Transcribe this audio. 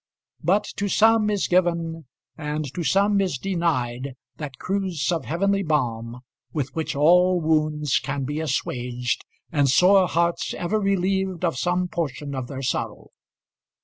But to some is given and to some is denied that cruse of heavenly balm with which all wounds can be assuaged and sore hearts ever relieved of some portion of their sorrow.